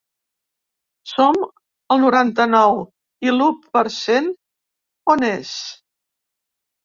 Som el noranta-nou, i l’u per cent on és?